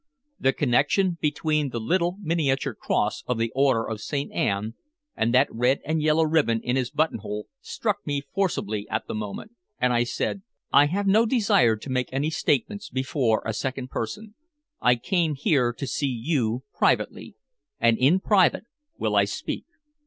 The connection between the little miniature cross of the Order of St. Anne and that red and yellow ribbon in his button hole struck me forcibly at that moment, and I said: "I have no desire to make any statements before a second person. I came here to see you privately, and in private will I speak.